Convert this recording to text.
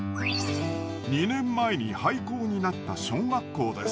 ２年前に廃校になった小学校です。